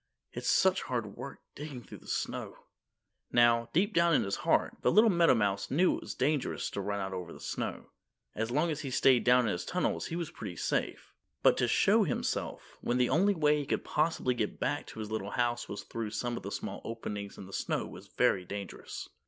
"It's such hard work digging through the snow." Now, deep down in his heart, the little meadowmouse knew it was dangerous to run out over the snow. As long as he stayed down in his tunnels he was pretty safe. But to show himself when the only way he could possibly get back to his little house was through some of the small openings in the snow was very dangerous.